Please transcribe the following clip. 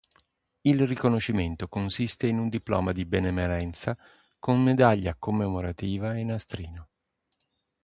Il riconoscimento consiste in un diploma di benemerenza con medaglia commemorativa e nastrino.